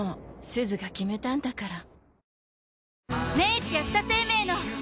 すずが決めたんだから。